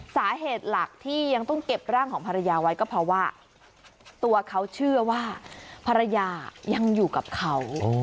สาเหตุหลักที่ยังต้องเก็บร่างของภรรยาไว้ก็เพราะว่าตัวเขาเชื่อว่าภรรยายังอยู่กับเขา